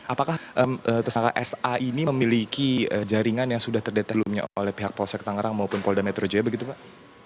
apakah tersangka sa ini memiliki jaringan yang sudah terdetelumnya oleh pihak polsek tangerang maupun polda metro jaya begitu pak